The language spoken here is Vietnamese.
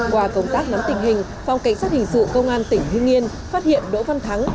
qua công tác nắm tình hình phòng cảnh sát hình sự công an tỉnh hưng yên phát hiện đỗ văn thắng